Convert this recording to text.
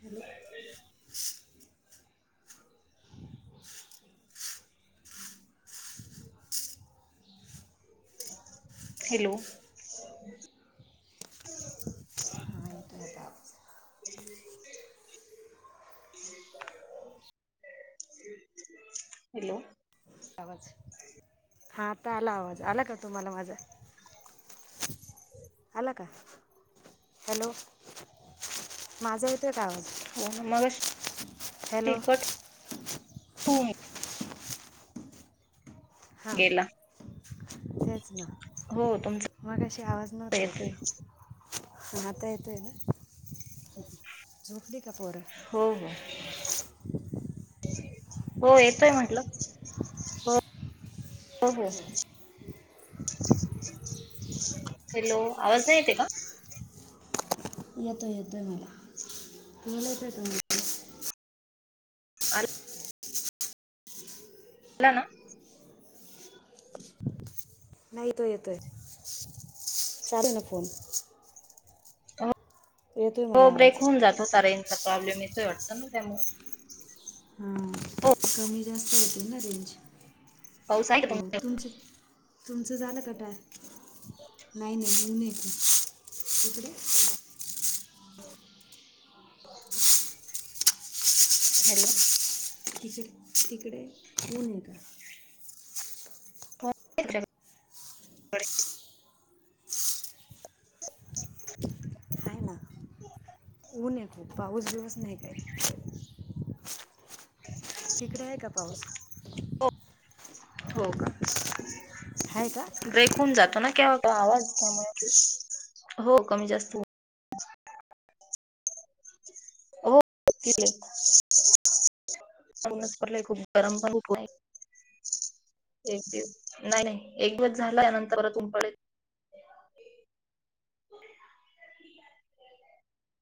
Hello hello हा येतोय आता आवाज हॅलो आवाज हा आता आला आवाज आला का तुम्हांला माझा. आला का हॅलो माझा ये का हो ना मगाशी हॅलो. हो. हां केला तेच ना हो तुमचा मगाशी आवाज नव्हता येतोय येत. नाता येत ना झुकली कापोर आहे हो हो. हो येतोय म्हटलं हो हो हो. हॅलो आवाज नाही येते का? येतोय येतोय मला मला येत का म [unintelligible] ला ना नाही तो येतोय चालू ना फोन. हो येतोय मला ब्रेक आवाज होऊन जातो होता रेनचा प्रॉब्लेम येतो वाटत ना त्यामुळं. हां कमी जास्त होतील ना रेंज पाऊस आहे का हो तुम तुमच तुमचं झालं कटय नाही नाही येऊन येत तुकडे. [unintelligible] हॅलो. तिकडे तिकडे ऊन येत. [unintelligible] आहे ना ऊन हाय खूप पाऊस बिऊस नाही काही. [unintelligible] तिकडे आहे का पाऊस? हो का आहे का ब्रेक होऊन जातो ना केव्हा आवाज त्या हो कमी जास्त. हो. [unintelligible] एक दिवस नाही नाही एक दिवस झाला नंतर बर तुम पडेल.